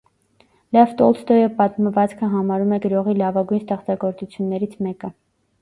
Լև Տոլստոյը պատմվածքը համարում է գրողի լավագույն ստեղծագործություններից մեկը։